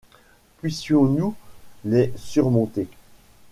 Puissions-nous les surmonter !